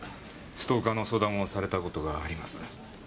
ストーカーの相談をされた事があります。